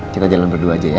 kita jalan berdua aja ya